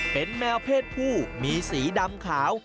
เป็นแมวเพศผู้มีสีดำขาว